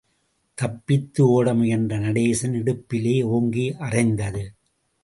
தப்பித்து ஓடமுயன்ற நடேசன் இடுப்பிலே ஓங்கி அறைந்தது.